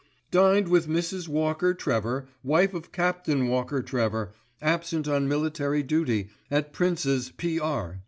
"Dined with Mrs. Walker Trevor, wife of Captain Walker Trevor, absent on military duty, at Princes, P.R.